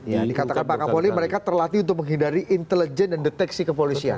ya dikatakan pak kapolri mereka terlatih untuk menghindari intelijen dan deteksi kepolisian